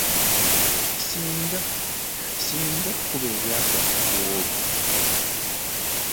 Singa, singa ekkubo eryakwatwa ku olwo.